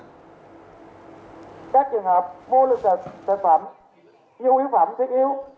các trường hợp mua lượng sản phẩm nhu yếu phẩm thiết yếu